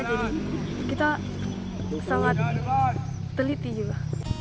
jadi kita sangat teliti juga